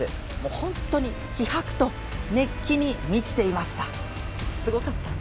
本当に気迫と熱気に満ちていました。